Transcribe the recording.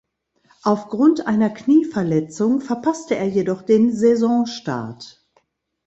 Aufgrund einer Knieverletzung verpasste er jedoch den Saisonstart.